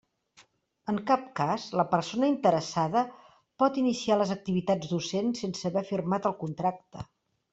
En cap cas la persona interessada pot iniciar les activitats docents sense haver firmat el contracte.